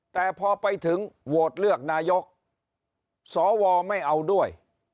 แต่พอไปถึงโหวตเลือกนายกสวไม่เอาด้วย